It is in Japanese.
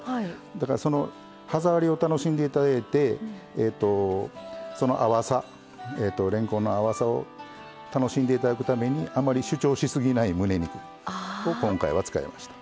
だからその歯触りを楽しんでいただいてその淡されんこんの淡さを楽しんでいただくためにあんまり主張し過ぎないむね肉を今回は使いました。